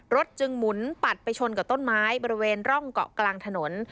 จึงหมุนปัดไปชนกับต้นไม้บริเวณร่องเกาะกลางถนน